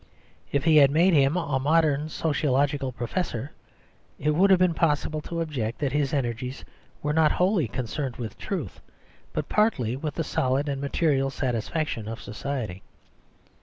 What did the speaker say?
If he had made him a modern sociological professor, it would have been possible to object that his energies were not wholly concerned with truth, but partly with the solid and material satisfaction of society.